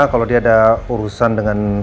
kalau dia ada urusan dengan